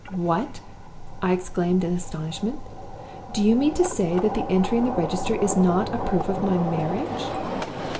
"'What!' I exclaimed, in astonishment. 'Do you mean to say that the entry in the register is not a proof of my marriage?